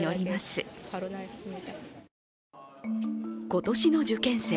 今年の受験生